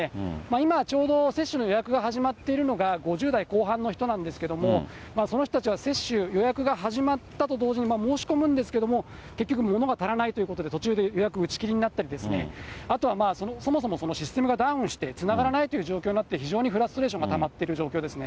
今、ちょうど接種の予約が始まっているのが、５０代後半の人なんですけども、その人たちは接種、予約が始まったと同時に、申し込むんですけども、結局ものが足らないということで途中で予約打ち切りになったりですね、あとは、そもそもシステムがダウンしてつながらないという状況になって、非常にフラストレーションがたまっている状況ですね。